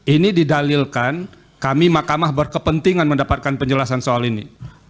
ini didalilkan kami mahkamah berkepentingan mendapatkan penjelasan soal ini